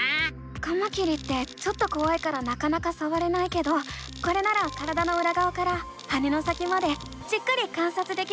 カマキリってちょっとこわいからなかなかさわれないけどこれなら体のうらがわから羽の先までじっくり観察できるね！